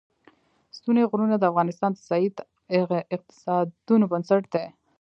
ستوني غرونه د افغانستان د ځایي اقتصادونو بنسټ دی.